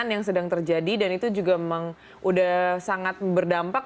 yang sedang terjadi dan itu juga memang sudah sangat berdampak